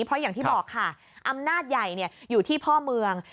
เพราะอย่างที่บอกค่ะอำนาจใหญ่อยู่ที่พ่อเมือง